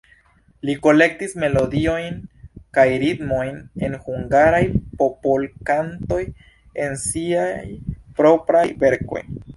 Li kolektis melodiojn kaj ritmojn el hungaraj popolkantoj en siaj propraj verkoj.